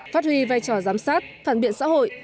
phát huy vai trò giám sát phản biện xã hội